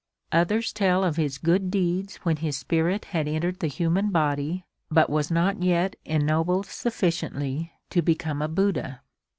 Others tell of his good deeds when his spirit had entered the human body but was not yet ennobled sufficiently to become a Buddha.